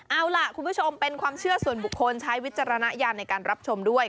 เอาล่ะคุณผู้ชมเป็นความเชื่อส่วนบุคคลใช้วิจารณญาณในการรับชมด้วย